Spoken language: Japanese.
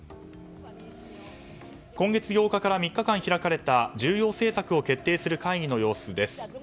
今月８日から３日間開かれた重要政策を決定する会議の様子です。